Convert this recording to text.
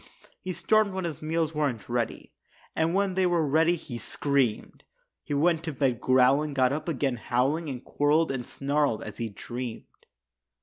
He stormed when his meals weren't ready, And when they were ready, he screamed. He went to bed growling, got up again howling And quarreled and snarled as he dreamed.